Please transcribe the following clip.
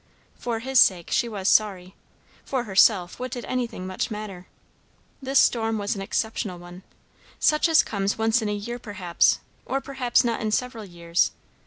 For his sake, she was sorry; for herself, what did anything much matter? This storm was an exceptional one; such as comes once in a year perhaps, or perhaps not in several years.